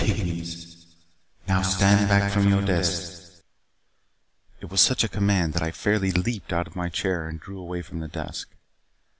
Pygmies! Now, stand back from your desk " It was such a command that I fairly leaped out of my chair and drew away from the desk.